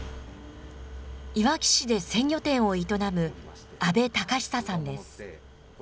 いわき市で鮮魚店を営む阿部峻久さんです。